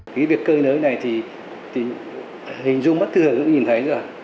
cái việc cơi nới này thì hình dung bất thường như các bạn nhìn thấy rồi